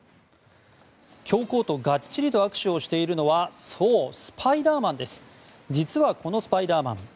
教皇とがっちりと握手をしているのはそうスパイダーマンです。